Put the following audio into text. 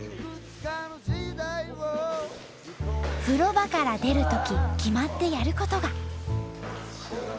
風呂場から出るとき決まってやることが。